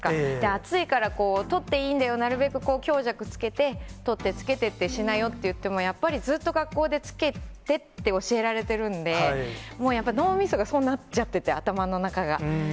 暑いからこう、取っていいんだよ、なるべく強弱つけて、とって着けてってしなよって言っても、やっぱずっと学校で着けてって教えられてるんで、やっぱり脳みそがそうなっちゃってて、頭の中が。